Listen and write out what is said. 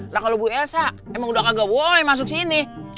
nah kalau bu elsa emang udah kagak boleh masuk sini